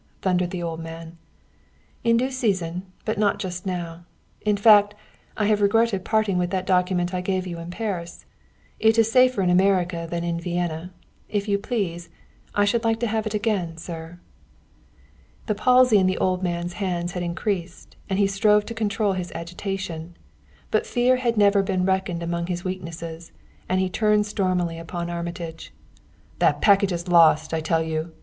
thundered the old man. "In due season; but not just now. In fact, I have regretted parting with that document I gave you in Paris. It is safer in America than in Vienna. If you please, I should like to have it again, sir." The palsy in the old man's hands had increased, and he strove to control his agitation; but fear had never been reckoned among his weaknesses, and he turned stormily upon Armitage. "That packet is lost, I tell you!"